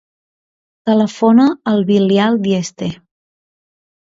Telefona al Bilal Dieste.